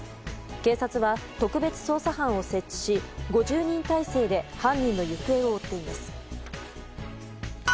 警察は、特別捜査班を設置し５０人体制で犯人の行方を追っています。